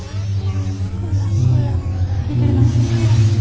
聞いてるの？